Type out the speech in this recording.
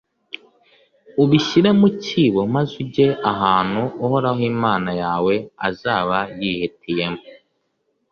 ubishyire mu cyibo, maze ujye ahantu uhoraho imana yawe azaba yihitiyemo